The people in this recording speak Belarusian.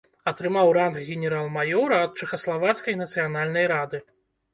Атрымаў ранг генерал-маёра ад чэхаславацкай нацыянальнай рады.